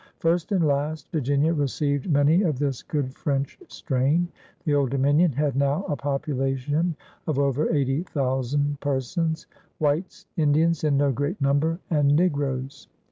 First and last, Virginia received many of this good French strain. The Old Dominion had now a population of over eighty thousand persons — whites, Indians in no great number, and negroes.